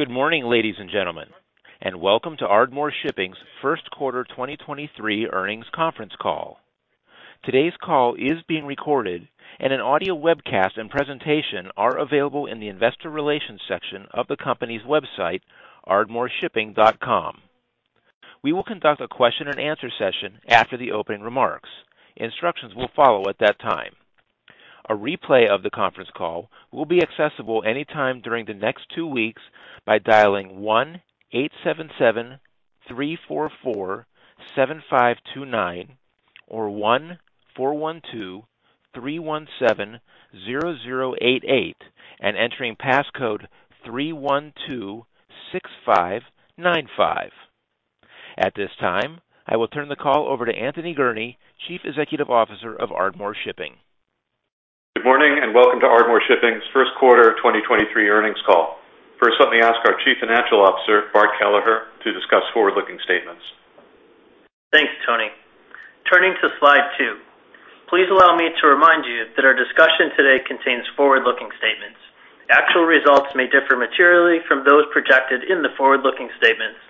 Good morning, ladies and gentlemen, and welcome to Ardmore Shipping's first quarter 2023 earnings conference call. Today's call is being recorded, and an audio webcast and presentation are available in the investor relations section of the company's website, ardmoreshipping.com. We will conduct a question-and-answer session after the opening remarks. Instructions will follow at that time. A replay of the conference call will be accessible any time during the next two weeks by dialing 1-877-344-7529 or 1-412-317-0088 and entering passcode 3126595. At this time, I will turn the call over to Anthony Gurnee, Chief Executive Officer of Ardmore Shipping. Good morning and welcome to Ardmore Shipping's first quarter 2023 earnings call. First, let me ask our Chief Financial Officer, Bart Kelleher, to discuss forward-looking statements. Thanks, Tony. Turning to slide two. Please allow me to remind you that our discussion today contains forward-looking statements. Actual results may differ materially from those projected in the forward-looking statements.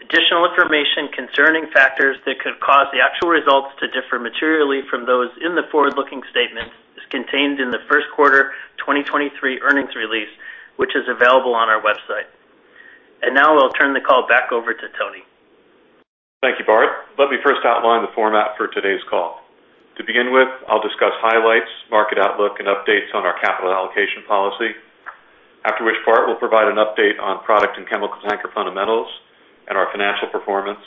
Additional information concerning factors that could cause the actual results to differ materially from those in the forward-looking statements is contained in the first quarter 2023 earnings release, which is available on our website. Now I'll turn the call back over to Tony. Thank you, Bart. Let me first outline the format for today's call. To begin with, I'll discuss highlights, market outlook, and updates on our capital allocation policy. After which, Bart will provide an update on product and chemical tanker fundamentals and our financial performance.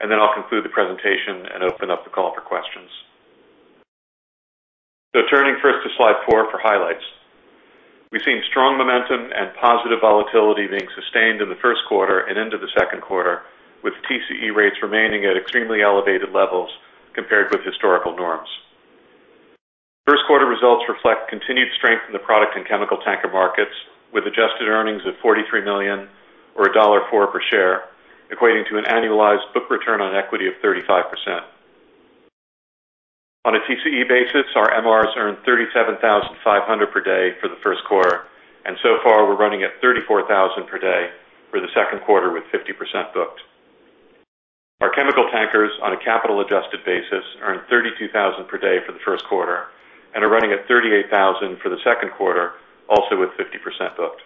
I'll conclude the presentation and open up the call for questions. Turning first to slide four for highlights. We've seen strong momentum and positive volatility being sustained in the first quarter and into the second quarter, with TCE rates remaining at extremely elevated levels compared with historical norms. First quarter results reflect continued strength in the product and chemical tanker markets, with adjusted earnings of $43 million or $1.04 per share, equating to an annualized book return on equity of 35%. On a TCE basis, our MRs earned $37,500 per day for the first quarter, and so far, we're running at $34,000 per day for the second quarter with 50% booked. Our chemical tankers, on a capital-adjusted basis, earned $32,000 per day for the first quarter and are running at $38,000 for the second quarter, also with 50% booked.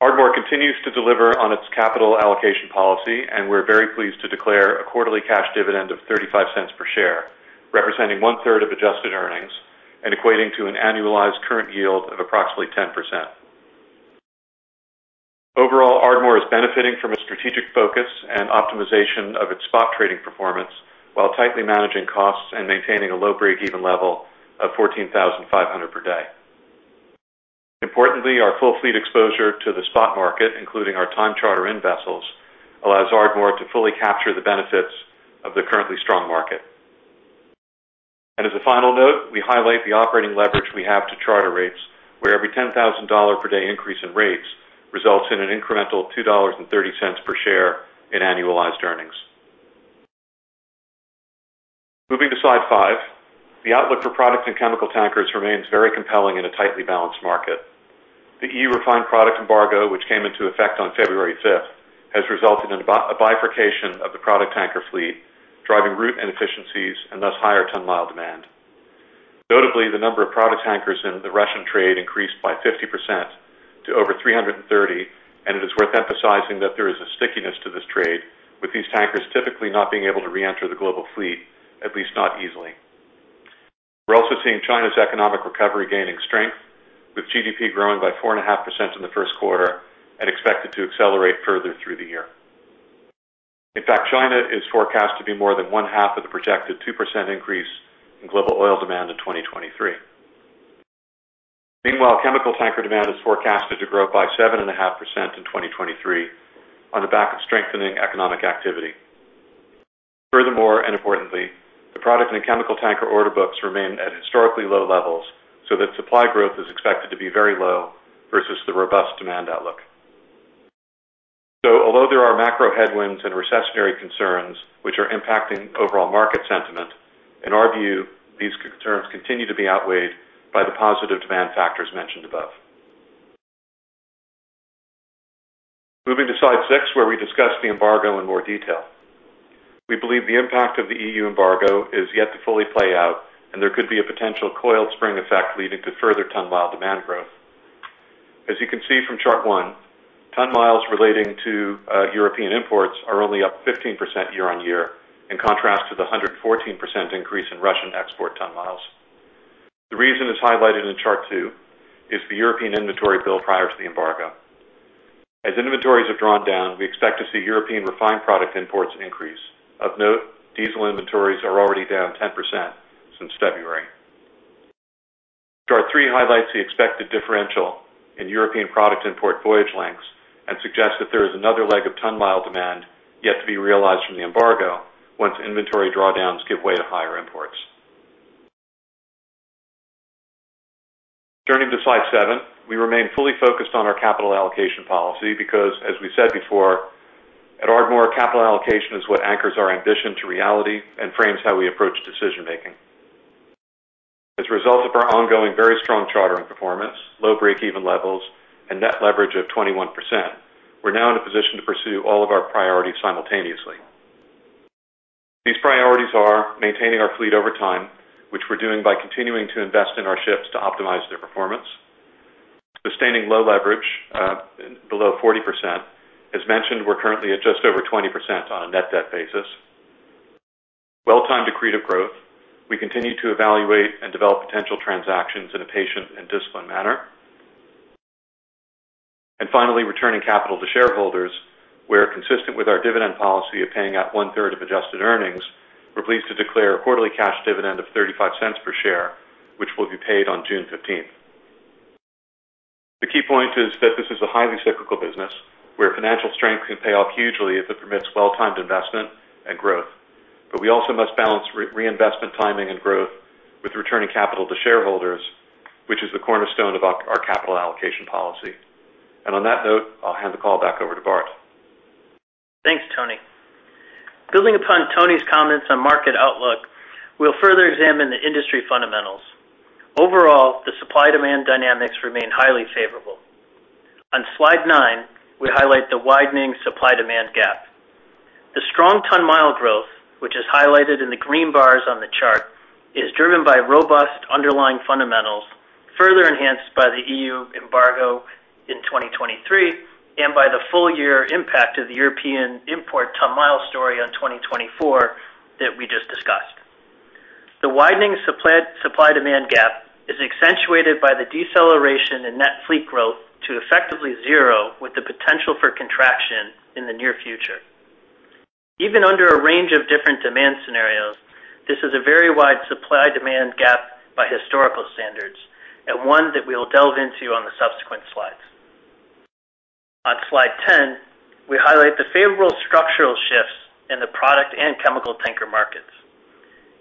Ardmore continues to deliver on its capital allocation policy. We're very pleased to declare a quarterly cash dividend of $0.35 per share, representing 1/3 of adjusted earnings and equating to an annualized current yield of approximately 10%. Overall, Ardmore is benefiting from a strategic focus and optimization of its spot trading performance while tightly managing costs and maintaining a low break-even level of $14,500 per day. Importantly, our full fleet exposure to the spot market, including our time charter-in vessels, allows Ardmore to fully capture the benefits of the currently strong market. As a final note, we highlight the operating leverage we have to charter rates, where every $10,000 per day increase in rates results in an incremental $2.30 per share in annualized earnings. Moving to slide five. The outlook for product and chemical tankers remains very compelling in a tightly balanced market. The EU refined product embargo, which came into effect on February 5th, has resulted in a bifurcation of the product tanker fleet, driving route inefficiencies and thus higher ton mile demand. Notably, the number of product tankers in the Russian trade increased by 50% to over 330, and it is worth emphasizing that there is a stickiness to this trade, with these tankers typically not being able to reenter the global fleet, at least not easily. We're also seeing China's economic recovery gaining strength, with GDP growing by 4.5% in the first quarter and expected to accelerate further through the year. In fact, China is forecast to be more than one half of the projected 2% increase in global oil demand in 2023. Meanwhile, chemical tanker demand is forecasted to grow by 7.5% in 2023 on the back of strengthening economic activity. Furthermore, and importantly, the product and chemical tanker order books remain at historically low levels so that supply growth is expected to be very low versus the robust demand outlook. Although there are macro headwinds and recessionary concerns which are impacting overall market sentiment, in our view, these concerns continue to be outweighed by the positive demand factors mentioned above. Moving to slide six, where we discuss the embargo in more detail. We believe the impact of the EU embargo is yet to fully play out, and there could be a potential coiled spring effect leading to further ton mile demand growth. As you can see from chart one, ton miles relating to European imports are only up 15% year-on-year, in contrast to the 114% increase in Russian export ton miles. The reason is highlighted in chart two is the European inventory build prior to the embargo. As inventories have drawn down, we expect to see European refined product imports increase. Of note, diesel inventories are already down 10% since February. Chart three highlights the expected differential in European product import voyage lengths and suggests that there is another leg of ton mile demand yet to be realized from the embargo once inventory drawdowns give way to higher imports. Turning to slide seven. We remain fully focused on our capital allocation policy because, as we said before Ardmore capital allocation is what anchors our ambition to reality and frames how we approach decision-making. As a result of our ongoing very strong chartering performance, low break-even levels, and net leverage of 21%, we're now in a position to pursue all of our priorities simultaneously. These priorities are maintaining our fleet over time, which we're doing by continuing to invest in our ships to optimize their performance. Sustaining low leverage, below 40%. As mentioned, we're currently at just over 20% on a net debt basis. Well-timed accretive growth. We continue to evaluate and develop potential transactions in a patient and disciplined manner. Finally, returning capital to shareholders, where consistent with our dividend policy of paying out one-third of adjusted earnings. We're pleased to declare a quarterly cash dividend of $0.35 per share, which will be paid on June 15th. The key point is that this is a highly cyclical business where financial strength can pay off hugely if it permits well-timed investment and growth. We also must balance reinvestment, timing, and growth with returning capital to shareholders, which is the cornerstone of our capital allocation policy. On that note, I'll hand the call back over to Bart. Thanks, Tony. Building upon Tony's comments on market outlook, we'll further examine the industry fundamentals. Overall, the supply-demand dynamics remain highly favorable. On slide nine, we highlight the widening supply-demand gap. The strong ton mile growth, which is highlighted in the green bars on the chart, is driven by robust underlying fundamentals, further enhanced by the EU embargo in 2023 and by the full year impact of the European import ton mile story on 2024 that we just discussed. The widening supply-demand gap is accentuated by the deceleration in net fleet growth to effectively zero, with the potential for contraction in the near future. Even under a range of different demand scenarios, this is a very wide supply-demand gap by historical standards, and one that we will delve into on the subsequent slides. On slide 10, we highlight the favorable structural shifts in the product and chemical tanker markets.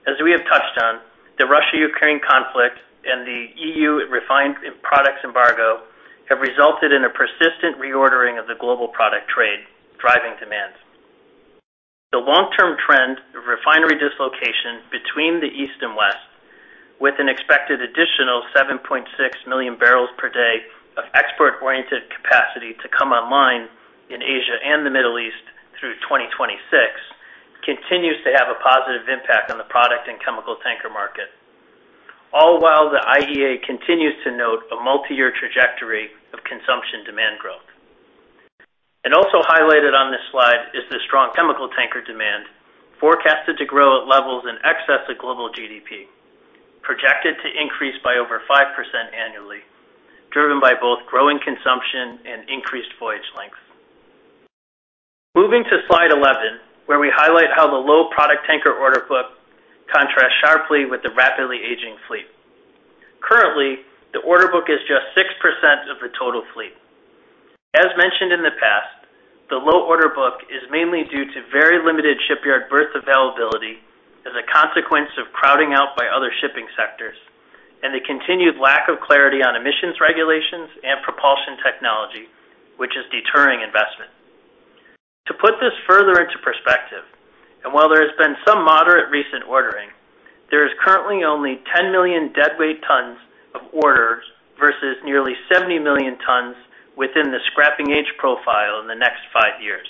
As we have touched on, the Russia-Ukraine conflict and the EU refined products embargo have resulted in a persistent reordering of the global product trade, driving demand. The long-term trend of refinery dislocation between the East and West, with an expected additional 7.6 million barrels per day of export-oriented capacity to come online in Asia and the Middle East through 2026, continues to have a positive impact on the product and chemical tanker market. All while the IEA continues to note a multi-year trajectory of consumption demand growth. Also highlighted on this slide is the strong chemical tanker demand forecasted to grow at levels in excess of global GDP, projected to increase by over 5% annually, driven by both growing consumption and increased voyage length. Moving to slide 11, where we highlight how the low product tanker order book contrasts sharply with the rapidly aging fleet. Currently, the order book is just 6% of the total fleet. As mentioned in the past, the low order book is mainly due to very limited shipyard berth availability as a consequence of crowding out by other shipping sectors and the continued lack of clarity on emissions regulations and propulsion technology, which is deterring investment. To put this further into perspective, while there has been some moderate recent ordering, there is currently only 10 million deadweight tons of orders versus nearly 70 million tons within the scrapping age profile in the next five years.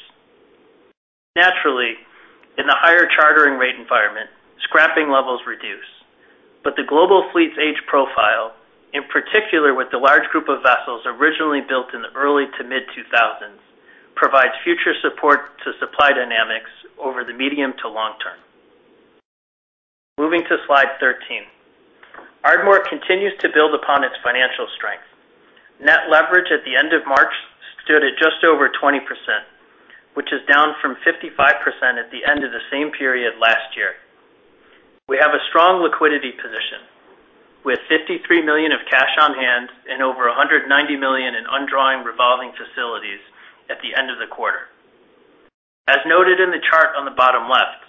Naturally, in the higher chartering rate environment, scrapping levels reduce. The global fleet's age profile, in particular with the large group of vessels originally built in the early to mid-2000s, provides future support to supply dynamics over the medium to long term. Moving to slide 13. Ardmore continues to build upon its financial strength. Net leverage at the end of March stood at just over 20%, which is down from 55% at the end of the same period last year. We have a strong liquidity position, with $53 million of cash on hand and over $190 million in undrawing revolving facilities at the end of the quarter. As noted in the chart on the bottom left,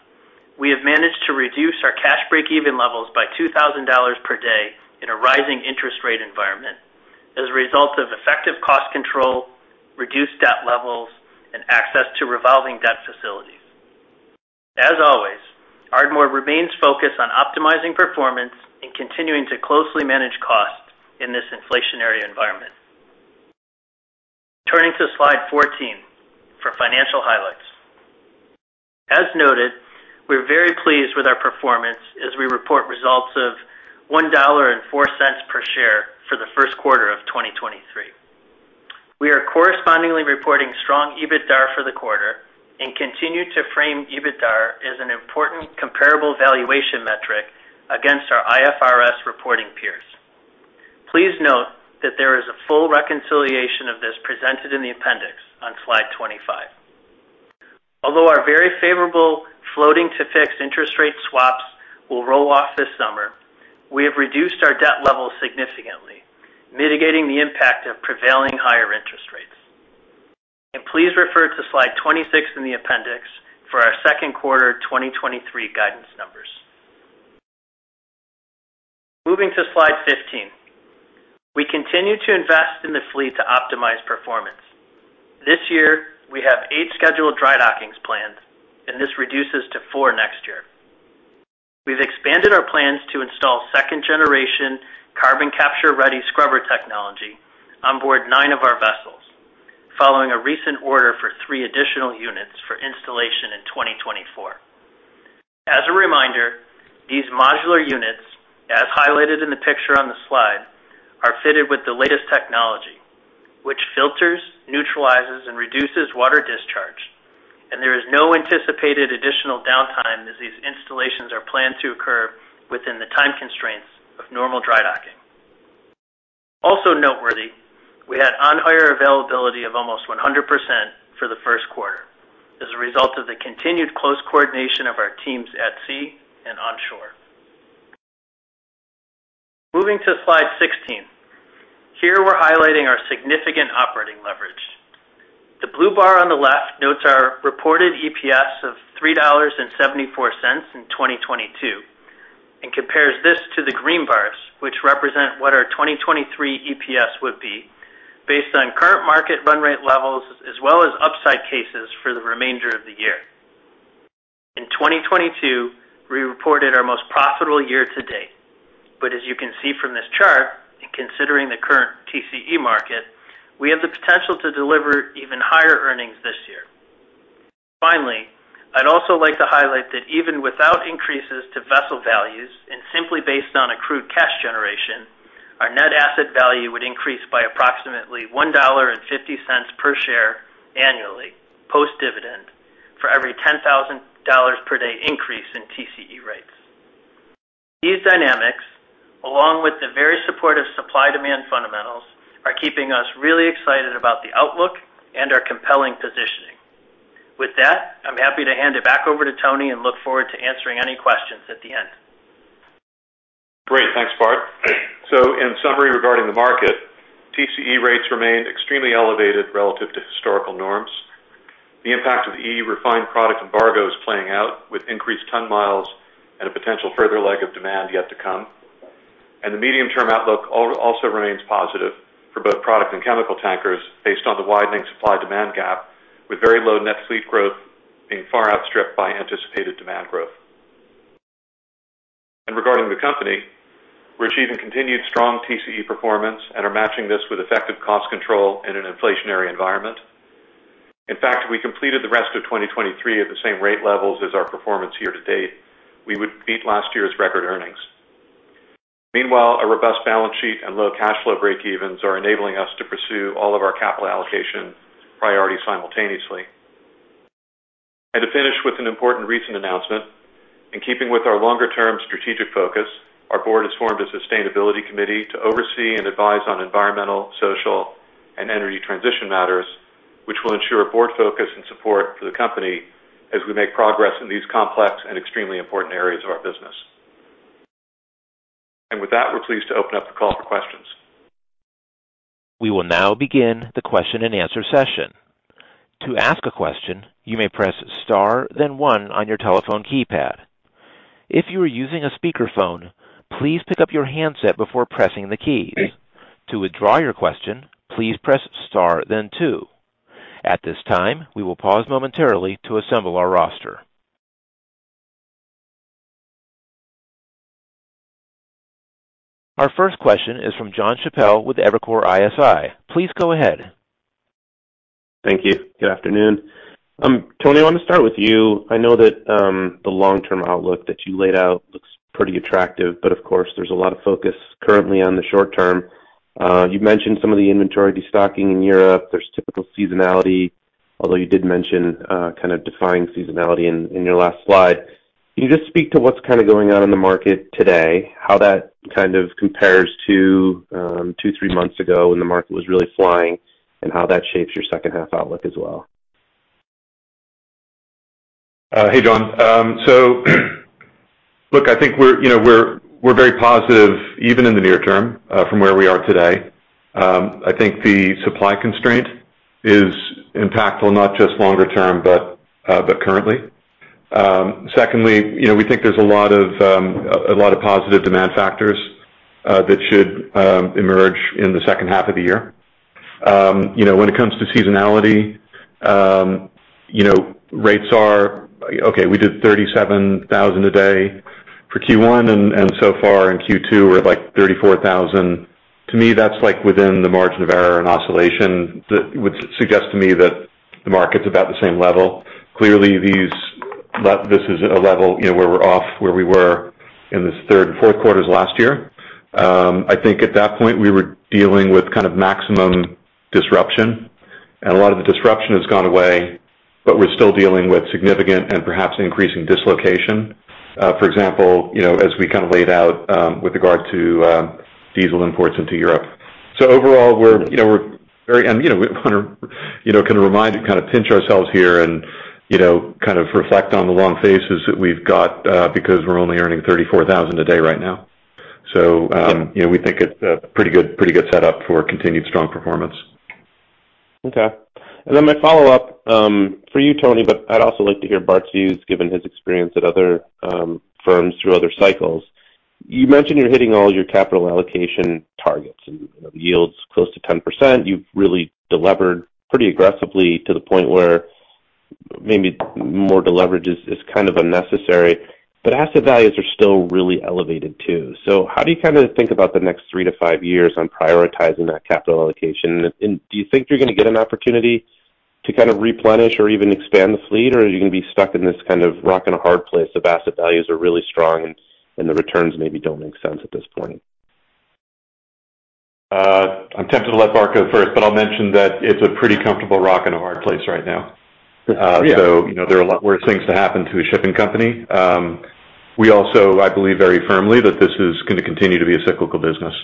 we have managed to reduce our cash break-even levels by $2,000 per day in a rising interest rate environment as a result of effective cost control, reduced debt levels, and access to revolving debt facilities. As always, Ardmore remains focused on optimizing performance and continuing to closely manage costs in this inflationary environment. Turning to slide 14 for financial highlights. As noted, we're very pleased with our performance as we report results of $1.04 per share for the first quarter of 2023. We are correspondingly reporting strong EBITDA for the quarter and continue to frame EBITDA as an important comparable valuation metric against our IFRS reporting peers. Please note that there is a full reconciliation of this presented in the appendix on slide 25. Although our very favorable floating-to-fixed interest rate swaps will roll off this summer, we have reduced our debt level significantly, mitigating the impact of prevailing higher interest rates. Please refer to slide 26 in the appendix for our second quarter 2023 guidance notes. Moving to slide 15. We continue to invest in the fleet to optimize performance. This year, we have eight scheduled dry dockings planned. This reduces to four next year. We've expanded our plans to install second-generation carbon capture-ready scrubber technology on board nine of our vessels, following a recent order for three additional units for installation in 2024. As a reminder, these modular units, as highlighted in the picture on the slide, are fitted with the latest technology, which filters, neutralizes, and reduces water discharge. There is no anticipated additional downtime as these installations are planned to occur within the time constraints of normal dry docking. Also noteworthy, we had on-hire availability of almost 100% for the first quarter as a result of the continued close coordination of our teams at sea and on shore. Moving to slide 16. Here, we're highlighting our significant operating leverage. The blue bar on the left notes our reported EPS of $3.74 in 2022 and compares this to the green bars, which represent what our 2023 EPS would be based on current market run rate levels as well as upside cases for the remainder of the year. 2022, we reported our most profitable year-to-date. As you can see from this chart, in considering the current TCE market, we have the potential to deliver even higher earnings this year. Finally, I'd also like to highlight that even without increases to vessel values and simply based on accrued cash generation, our net asset value would increase by approximately $1.50 per share annually, post-dividend, for every $10,000 per day increase in TCE rates. These dynamics, along with the very supportive supply-demand fundamentals, are keeping us really excited about the outlook and our compelling positioning. With that, I'm happy to hand it back over to Tony and look forward to answering any questions at the end. Great. Thanks, Bart. In summary regarding the market, TCE rates remain extremely elevated relative to historical norms. The impact of the EU refined product embargo is playing out with increased ton miles and a potential further leg of demand yet to come. The medium-term outlook also remains positive for both product and chemical tankers based on the widening supply-demand gap, with very low net fleet growth being far outstripped by anticipated demand growth. Regarding the company, we're achieving continued strong TCE performance and are matching this with effective cost control in an inflationary environment. In fact, if we completed the rest of 2023 at the same rate levels as our performance year-to-date, we would beat last year's record earnings. Meanwhile, a robust balance sheet and low cash flow break-evens are enabling us to pursue all of our capital allocation priorities simultaneously. To finish with an important recent announcement, in keeping with our longer-term strategic focus, our board has formed a sustainability committee to oversee and advise on environmental, social, and energy transition matters, which will ensure board focus and support for the company as we make progress in these complex and extremely important areas of our business. With that, we're pleased to open up the call for questions. We will now begin the question-and-answer session. To ask a question, you may press star then one on your telephone keypad. If you are using a speakerphone, please pick up your handset before pressing the keys. To withdraw your question, please press star then two. At this time, we will pause momentarily to assemble our roster. Our first question is from Jon Chappell with Evercore ISI. Please go ahead. Thank you. Good afternoon. Tony, I want to start with you. I know that the long-term outlook that you laid out looks pretty attractive, but of course, there's a lot of focus currently on the short term. You've mentioned some of the inventory destocking in Europe. There's typical seasonality, although you did mention kind of defying seasonality in your last slide. Can you just speak to what's kind of going on in the market today, how that kind of compares to two, three months ago when the market was really flying, and how that shapes your second half outlook as well? Hey, Jon. Look, I think we're, you know, we're very positive even in the near term from where we are today. I think the supply constraint is impactful, not just longer term, but currently. Secondly, you know, we think there's a lot of positive demand factors that should emerge in the second half of the year. You know, when it comes to seasonality, you know, Okay, we did $37,000 a day for Q1, and so far in Q2, we're at, like, $34,000. To me, that's, like, within the margin of error and oscillation that would suggest to me that the market's about the same level. Clearly, this is a level, you know, where we're off where we were in this third and fourth quarters last year. I think at that point, we were dealing with kind of maximum disruption, a lot of the disruption has gone away, but we're still dealing with significant and perhaps increasing dislocation. For example, you know, as we kind of laid out, with regard to diesel imports into Europe. Overall, we're, you know, we're very, you know, we wanna, you know, kind of remind and kind of pinch ourselves here, you know, kind of reflect on the long faces that we've got, because we're only earning $34,000 a day right now. you know, we think it's a pretty good, pretty good setup for continued strong performance. Okay. My follow-up for you, Tony, but I'd also like to hear Bart's views given his experience at other firms through other cycles. You mentioned you're hitting all your capital allocation targets and yields close to 10%. You've really delevered pretty aggressively to the point where maybe more deleverage is kind of unnecessary, but asset values are still really elevated too. How do you kinda think about the next 3-5 years on prioritizing that capital allocation? Do you think you're gonna get an opportunity to kind of replenish or even expand the fleet? Are you gonna be stuck in this kind of rock and a hard place of asset values are really strong and the returns maybe don't make sense at this point? I'm tempted to let Bart go first, but I'll mention that it's a pretty comfortable rock and a hard place right now. Yeah. You know, there are a lot worse things to happen to a shipping company. We also, I believe very firmly that this is gonna continue to be a cyclical business.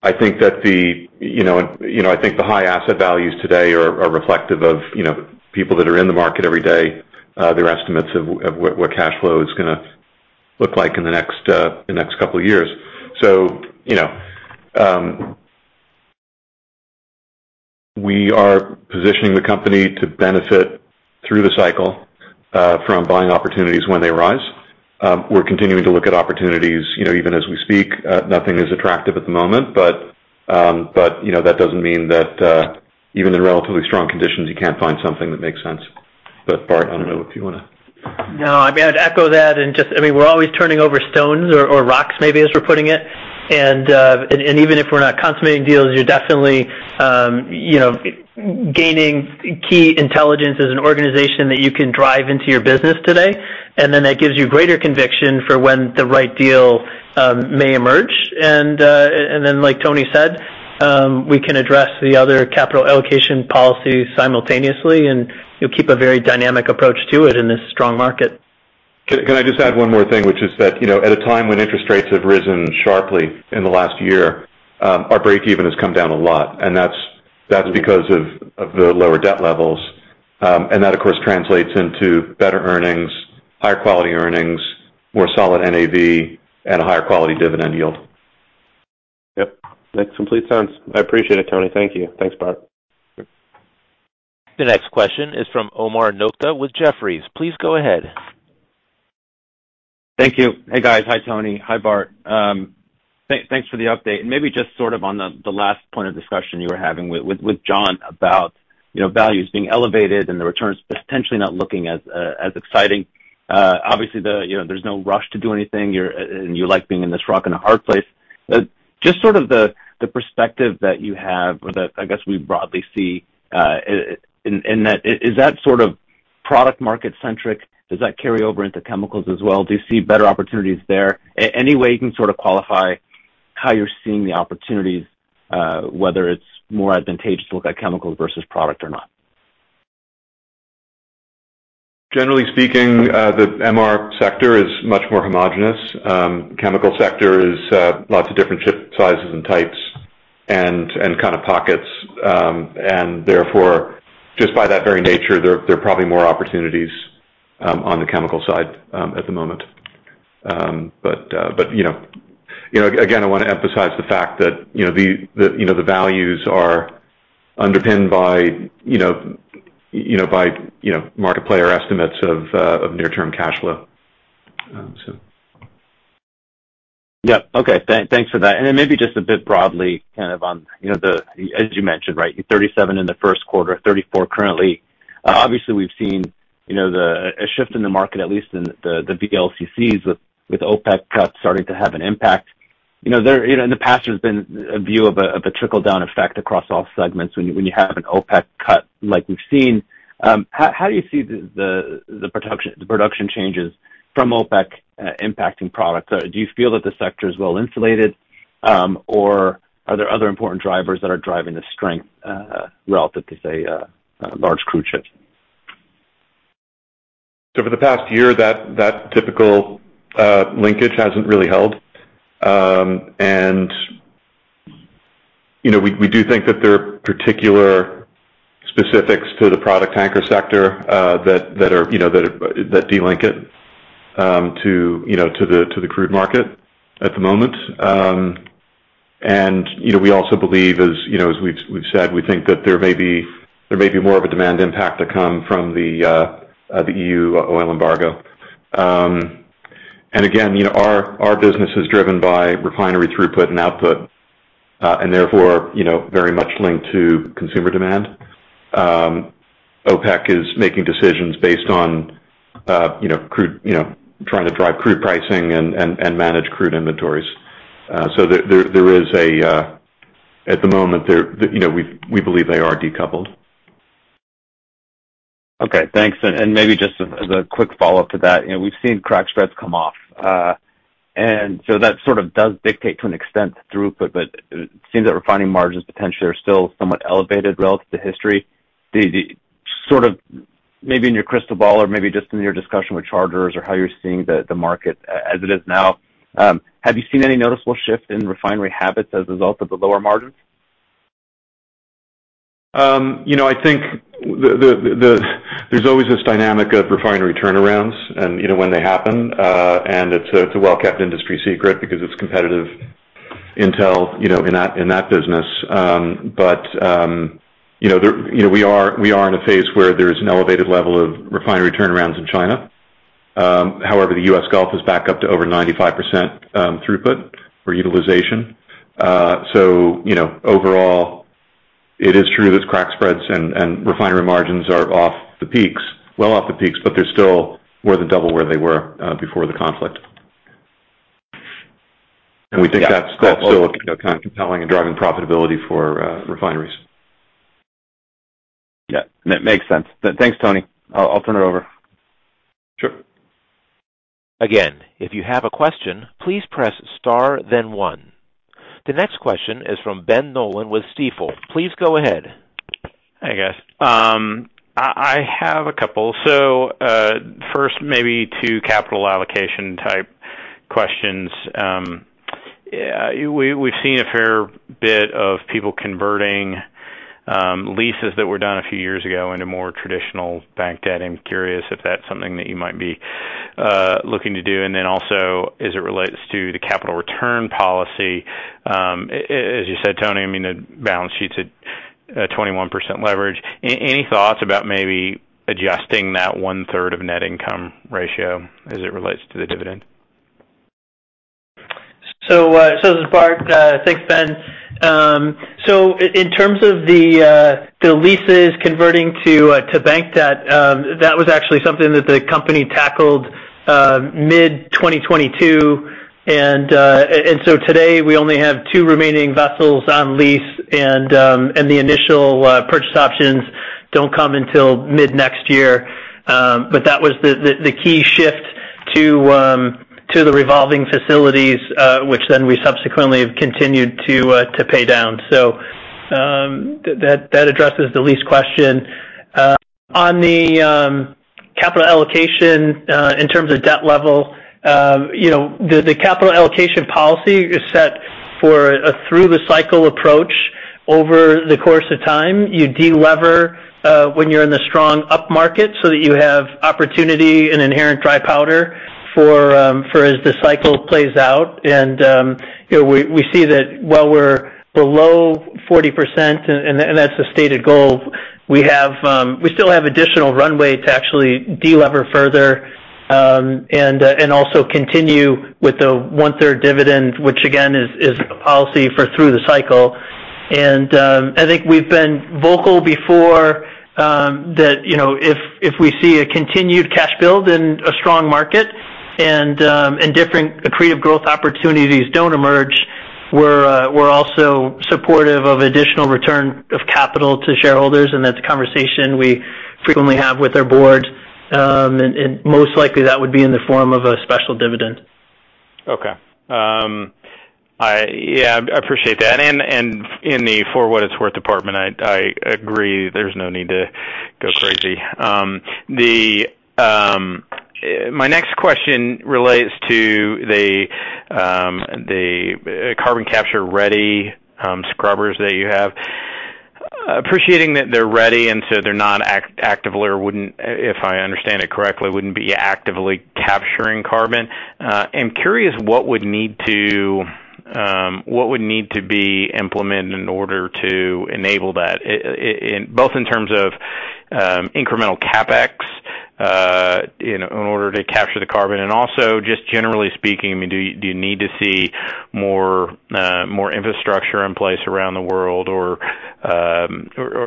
I think that the, you know, I think the high asset values today are reflective of, you know, people that are in the market every day, their estimates of what cash flow is gonna look like in the next couple of years. You know, we are positioning the company to benefit through the cycle, from buying opportunities when they rise. We're continuing to look at opportunities, you know, even as we speak. Nothing is attractive at the moment, but, you know, that doesn't mean that, even in relatively strong conditions, you can't find something that makes sense. Bart, I don't know if you wanna. No, I mean, I'd echo that and just. I mean, we're always turning over stones or rocks maybe as we're putting it. Even if we're not consummating deals, you're definitely, you know, gaining key intelligence as an organization that you can drive into your business today. Then that gives you greater conviction for when the right deal may emerge. Then, like Tony said, we can address the other capital allocation policies simultaneously and, you know, keep a very dynamic approach to it in this strong market. Can I just add one more thing, which is that, you know, at a time when interest rates have risen sharply in the last year, our break even has come down a lot, and that's because of the lower debt levels. That, of course, translates into better earnings, higher quality earnings, more solid NAV, and a higher quality dividend yield. Yep. Makes complete sense. I appreciate it, Tony. Thank you. Thanks, Bart. The next question is from Omar Nokta with Jefferies. Please go ahead. Thank you. Hey, guys. Hi, Tony. Hi, Bart. thanks for the update. Maybe just sort of on the last point of discussion you were having with Jon about, you know, values being elevated and the returns potentially not looking as exciting. obviously the, you know, there's no rush to do anything. You're, and you like being in this rock and a hard place. Just sort of the perspective that you have or that I guess we broadly see, is that sort of product market centric? Does that carry over into chemicals as well? Do you see better opportunities there? Any way you can sort of qualify how you're seeing the opportunities, whether it's more advantageous to look at chemicals versus product or not. Generally speaking, the MR sector is much more homogenous. Chemical sector is lots of different ship sizes and types and kind of pockets. Therefore, just by that very nature, there are probably more opportunities on the chemical side at the moment. But, you know, again, I wanna emphasize the fact that, you know, the, you know, the values are underpinned by, you know, by, you know, market player estimates of near-term cash flow. Yeah. Okay. Thanks for that. Then maybe just a bit broadly kind of on, you know, the... As you mentioned, right, 37 in the first quarter, 34 currently. Obviously, we've seen, you know, the, a shift in the market, at least in the VLCCs with OPEC cuts starting to have an impact. You know, there, you know, in the past, there's been a view of a trickle-down effect across all segments when you have an OPEC cut like we've seen. How do you see the production changes from OPEC impacting product? Do you feel that the sector is well insulated, or are there other important drivers that are driving the strength relative to, say, large crude ships? For the past year, that typical linkage hasn't really held. You know, we do think that there are particular specifics to the product tanker sector that are, you know, that delink it to the crude market at the moment. You know, we also believe as, you know, as we've said, we think that there may be more of a demand impact to come from the EU oil embargo. Again, you know, our business is driven by refinery throughput and output, and therefore, you know, very much linked to consumer demand. OPEC is making decisions based on, you know, crude, you know, trying to drive crude pricing and manage crude inventories. There is a at the moment there, you know, we believe they are decoupled. Okay, thanks. Maybe just as a quick follow-up to that. You know, we've seen crack spreads come off. That sort of does dictate to an extent throughput, but it seems that refining margins potentially are still somewhat elevated relative to history. The sort of maybe in your crystal ball or maybe just in your discussion with charters or how you're seeing the market as it is now, have you seen any noticeable shift in refinery habits as a result of the lower margins? You know, I think there's always this dynamic of refinery turnarounds and, you know, when they happen, and it's a well-kept industry secret because it's competitive intel, you know, in that business. You know, we are in a phase where there's an elevated level of refinery turnarounds in China. However, the U.S. Gulf is back up to over 95% throughput or utilization. You know, overall, it is true that crack spreads and refinery margins are off the peaks, well off the peaks, but they're still more than double where they were before the conflict. We think that's still kind of compelling and driving profitability for refineries. Yeah, that makes sense. Thanks, Tony. I'll turn it over. Sure. Again, if you have a question, please press star then one. The next question is from Ben Nolan with Stifel. Please go ahead. Hey, guys. I have a couple. First, maybe two capital allocation type questions. We've seen a fair bit of people converting leases that were done a few years ago into more traditional bank debt. I'm curious if that's something that you might be looking to do. Also, as it relates to the capital return policy, as you said, Tony, I mean, the balance sheet's at 21% leverage. Any thoughts about maybe adjusting that 1/3 of net income ratio as it relates to the dividend? This is Bart. Thanks, Ben. In terms of the leases converting to bank debt, that was actually something that the company tackled mid-2022. Today, we only have two remaining vessels on lease and the initial purchase options don't come until mid next year. That was the key shift to the revolving facilities, which then we subsequently have continued to pay down. That addresses the lease question. On the capital allocation, in terms of debt level, you know, the capital allocation policy is set for a through the cycle approach over the course of time. You delever when you're in the strong upmarket so that you have opportunity and inherent dry powder for as the cycle plays out. You know, we see that while we're below 40%, and that's the stated goal, we have, we still have additional runway to actually delever further, and also continue with the one-third dividend, which again, is policy for through the cycle. I think we've been vocal before that, you know, if we see a continued cash build in a strong market and different accretive growth opportunities don't emerge, we're also supportive of additional return of capital to shareholders, and that's a conversation we frequently have with our board. Most likely that would be in the form of a special dividend. Okay. Yeah, I appreciate that. In the for what it's worth department, I agree there's no need to go crazy. My next question relates to the carbon capture-ready scrubbers that you have. Appreciating that they're ready, they're not actively or wouldn't, if I understand it correctly, wouldn't be actively capturing carbon. I'm curious what would need to, what would need to be implemented in order to enable that, in both in terms of, incremental CapEx in order to capture the carbon, also, just generally speaking, I mean, do you need to see more infrastructure in place around the world?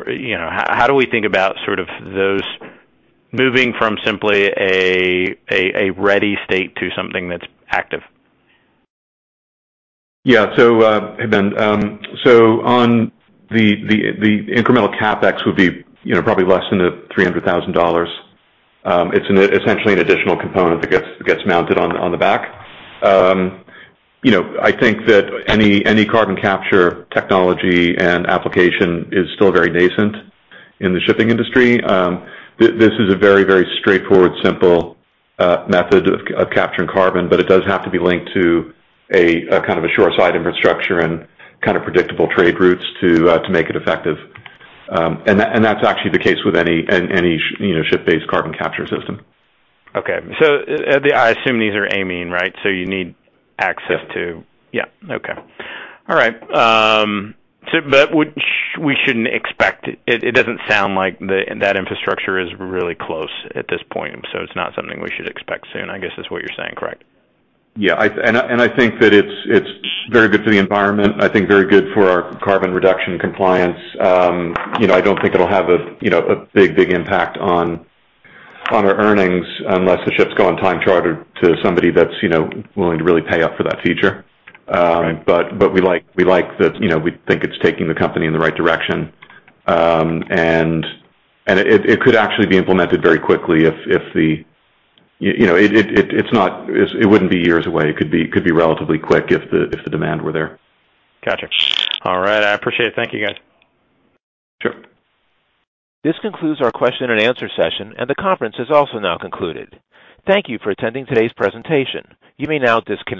You know, how do we think about sort of those moving from simply a ready state to something that's active? Yeah. Hey, Ben. On the incremental CapEx would be, you know, probably less than $300,000. It's an essentially an additional component that gets mounted on the back. You know, I think that any carbon capture technology and application is still very nascent in the shipping industry. This is a very straightforward, simple method of capturing carbon, but it does have to be linked to a kind of a shoreside infrastructure and kind of predictable trade routes to make it effective. That's actually the case with any, you know, ship-based carbon capture system. Okay. I assume these are aiming, right? You need access to- Yeah. Yeah. Okay. All right. We shouldn't expect it, it doesn't sound like the, that infrastructure is really close at this point, so it's not something we should expect soon, I guess is what you're saying, correct? Yeah. I think that it's very good for the environment, I think very good for our carbon reduction compliance. You know, I don't think it'll have a, you know, a big impact on our earnings unless the ships go on time charter to somebody that's, you know, willing to really pay up for that feature. We like that. You know, we think it's taking the company in the right direction. It could actually be implemented very quickly if the. You know, it's not. It wouldn't be years away. It could be relatively quick if the demand were there. Gotcha. All right. I appreciate it. Thank you, guys. Sure. This concludes our question and answer session, and the conference is also now concluded. Thank you for attending today's presentation. You may now disconnect.